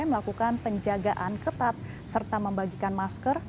melakukan penjagaan ketat serta membagikan masker